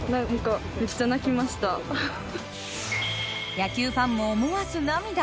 野球ファンも思わず涙。